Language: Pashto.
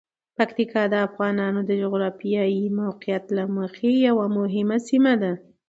پکتیکا د افغانانو د جغرافیايی موقعیت له مخې یوه مهمه سیمه ده.